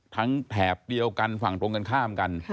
แถบเดียวกันฝั่งตรงกันข้ามกัน